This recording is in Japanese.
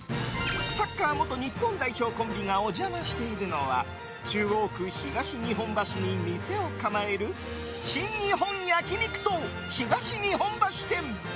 サッカー元日本代表コンビがお邪魔しているのは中央区東日本橋に店を構える新日本焼肉党東日本橋店。